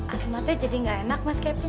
asma tuh jadi gak enak mas kevin